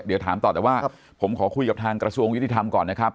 เดี๋ยวถามต่อแต่ว่าผมขอคุยกับทางกระทรวงยุติธรรมก่อนนะครับ